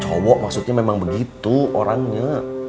cowok maksudnya memang begitu orangnya